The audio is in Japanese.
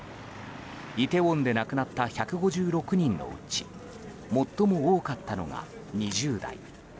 イテウォンで亡くなった１５６人のうち最も多かったのが２０代。